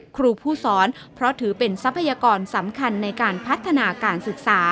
ครูผู้สอนเพราะถือเป็นทรัพยากรสำคัญในการพัฒนาการศึกษา